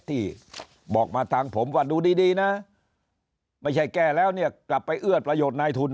ที่บอกมาทางผมว่าดูดีนะไม่ใช่แก้แล้วเนี่ยกลับไปเอื้อประโยชน์นายทุน